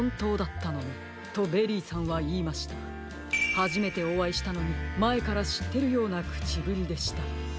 はじめておあいしたのにまえからしってるようなくちぶりでした。